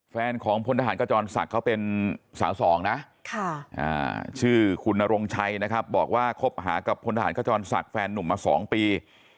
แฟนของพลทหารขจรศักดิ์เขาเป็นสาวสองนะชื่อคุณนรงชัยนะครับบอกว่าคบหากับพลทหารขจรศักดิ์แฟนนุ่มมา๒ปี